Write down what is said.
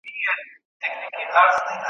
سياست تل له نويو ننګونو سره مخ وي.